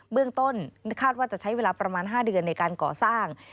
เบื้องต้นคาดว่าจะใช้เวลาประมาณ๕เดือนในการก่อสร้าง